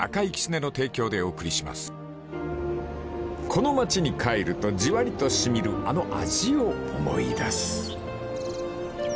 ［この町に帰るとじわりと染みるあの味を思い出す］